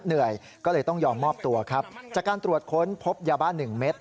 เหนื่อยก็เลยต้องยอมมอบตัวครับจากการตรวจค้นพบยาบ้า๑เม็ด